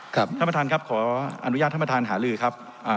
ท่านประธานครับขออนุญาตท่านประธานหาลือครับ